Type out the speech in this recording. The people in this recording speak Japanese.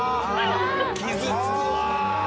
傷つくわ。